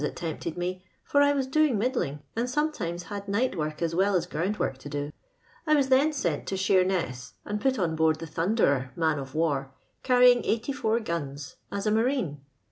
that tempted me, for I was doing middling, and sometimes had night woric as well as ground work to do. I was then sent to Sheemess and pot oo board the Thmnderer man^f war, canning 8A guns, as a marine.